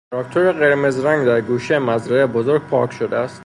تراکتور قرمز رنگ در گوشه مزرعه بزرگ پارک شده است.